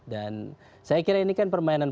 dan saya kira ini kan permainan